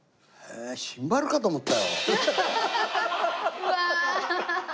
うわ！